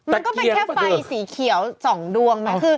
มันก็เป็นแค่ไฟสีเขียว๒ดวงไหม